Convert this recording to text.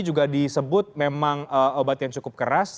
juga disebut memang obat yang cukup keras